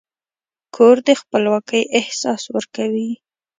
کور د خپلواکۍ احساس ورکوي.